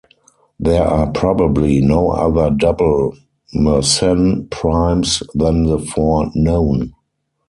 There are probably no other double Mersenne primes than the four known.